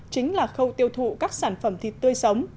chính là khâu tiêu thụ các sản phẩm thịt tươi sống